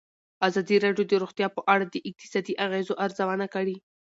ازادي راډیو د روغتیا په اړه د اقتصادي اغېزو ارزونه کړې.